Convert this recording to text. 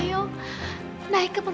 hangbat dari ngofi putri